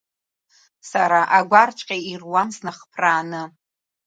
Сара агәарҵәҟьа ируам снахԥрааны.